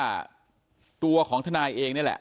หลังจากโรงพลของทนายเองเนี่ยแหละ